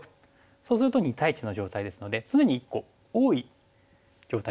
そうすると２対１の状態ですので常に１個多い状態で戦えますからね